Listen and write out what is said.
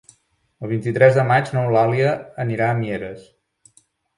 El vint-i-tres de maig n'Eulàlia anirà a Mieres.